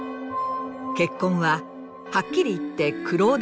結婚ははっきり言って苦労だらけです。